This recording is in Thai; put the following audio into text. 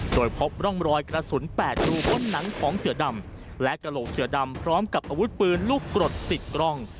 โดยพบร่องรอยกระสุน๘รูพ้นหนังของเสือดำและกระโหลกเสือดำพร้อมกับอาวุธปืนลูกกรดติดกล้อง